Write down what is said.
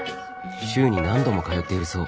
週に何度も通っているそう。